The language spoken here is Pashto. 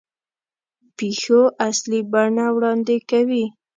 پېښو اصلي بڼه وړاندې کوي.